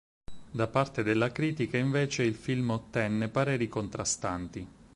Da parte della critica invece il film ottenne pareri contrastanti.